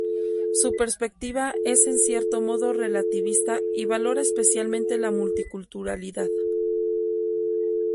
Su perspectiva es en cierto modo relativista, y valora especialmente la multiculturalidad.